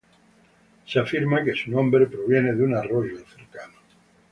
Se afirma que su nombre proviene de un arroyo cercano.